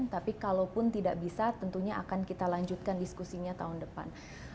tapi kalaupun tidak bisa tentunya akan kita lanjutkan diskusinya tahun depan